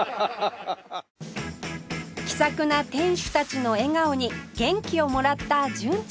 気さくな店主たちの笑顔に元気をもらった純ちゃん